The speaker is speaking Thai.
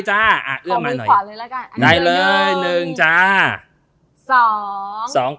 ขอมือขอเลยละกัน